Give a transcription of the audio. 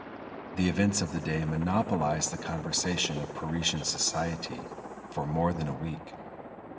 The events of the day monopolized the conversation of Parisian society for more than a week.